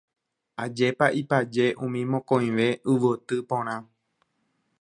Ajépa ipaje umi mokõive yvoty porã